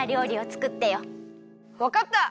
わかった！